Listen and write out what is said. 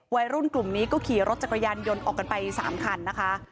วัยรุ่นกลุ่มนี้ก็ขี่รถจักรยานยนต์ออกกันไป๓คันนะคะ